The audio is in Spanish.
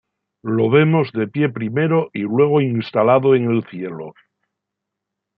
Lo vemos de pie primero y luego instalado en el cielo.